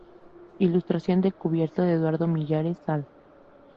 Ilustración de cubierta de Eduardo Millares Sall.